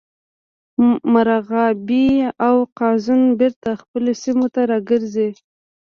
مرغابۍ او قازونه بیرته خپلو سیمو ته راګرځي